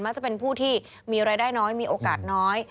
จะเป็นผู้ที่มีรายได้น้อยมีโอกาสน้อย